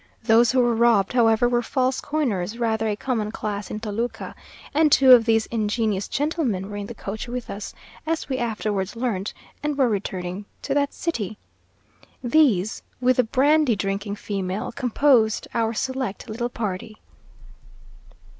Those who were robbed, however, were false coiners, rather a common class in Toluca, and two of these ingenious gentlemen were in the coach with us (as we afterwards learnt), and were returning to that city. These, with the brandy drinking female, composed our select little party!